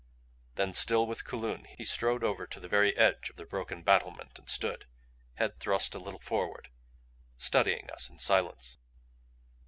Then still with Kulun he strode over to the very edge of the broken battlement and stood, head thrust a little forward, studying us in silence.